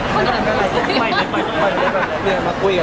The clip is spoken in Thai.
ไม่ได้เจอในคุณหรอก